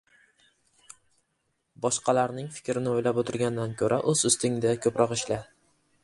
Boshqalarning fikrini o‘ylab o‘tirgandan ko‘ra o‘z ustingda ko‘proq ishla.